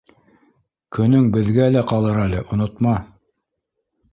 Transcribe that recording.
Көнөң беҙгә лә ҡалыр әле, онотма